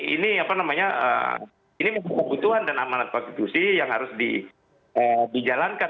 ini apa namanya ini memang kebutuhan dan amanat konstitusi yang harus dijalankan